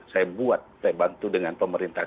saya buat saya bantu dengan pemerintah